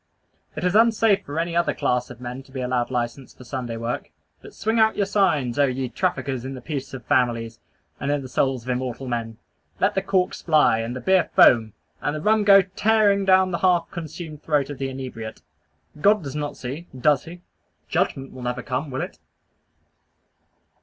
It is unsafe for any other class of men to be allowed license for Sunday work. But swing out your signs, oh ye traffickers in the peace of families, and in the souls of immortal men! Let the corks fly, and the beer foam, and the rum go tearing down the half consumed throat of the inebriate. God does not see, does he? Judgment will never come, will it?